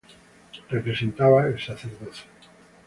Representaba el sacerdocio.